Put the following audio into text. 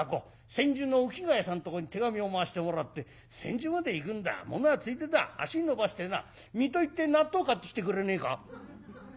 千住の沖谷さんとこに手紙を回してもらって千住まで行くんだものはついでだ足延ばしてな水戸行って納豆買ってきてくれねえか」。